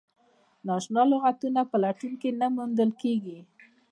نا اشنا لغتونه په لټون کې نه موندل کیږي.